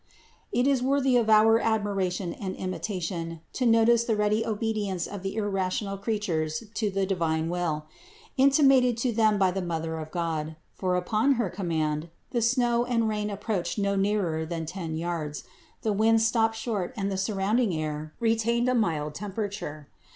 544. It is worthy of our admiration and imitation to notice the ready obedience of the irrational creatures to the divine will, intimated to them by the Mother of God : for upon her command, the snow and rain approached no nearer than ten yards, the winds stopped short and the surrounding air retained a mild temperature.